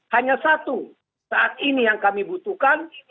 hanya satu saat ini yang kami butuhkan